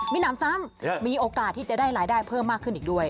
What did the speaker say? มีหนำซ้ำมีโอกาสที่จะได้รายได้เพิ่มมากขึ้นอีกด้วย